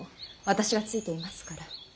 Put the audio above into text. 私がついていますから。